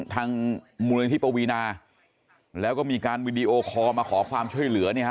ทางมูลนิธิปวีนาแล้วก็มีการวีดีโอคอลมาขอความช่วยเหลือเนี่ยฮะ